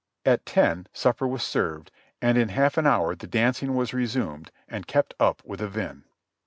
At ten, supper was served, and in half an hour the dancing was resumed and kept up with a vim.